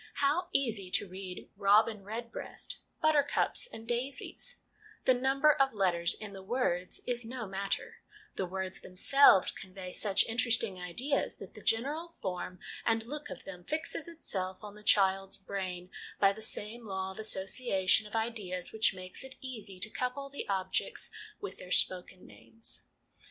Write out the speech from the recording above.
How easy to read ' robin redbreast/ 'buttercups and daisies'; the number of letters in the words is no matter; the words them selves convey such interesting ideas that the general form and look of them fixes itself on the child's brain by the same law of association of ideas which makes it easy to couple the objects with their spoken names.